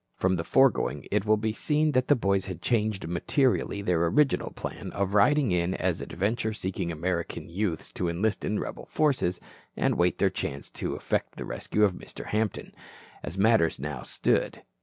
From the foregoing it will be seen that the boys had changed materially their original plan of riding in as adventure seeking American youths to enlist in the rebel forces, and wait their chance to effect the rescue of Mr. Hampton. As matters now stood.